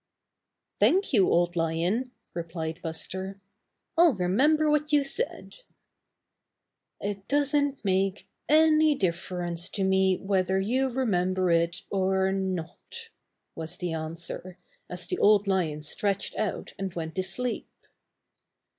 "Thank you. Old Lion," replied Buster. "I'll remember what you said." "It doesn't make any difference to me whether you remember it or not," was the an swer, as the Old Lion stretched out and went to sleep.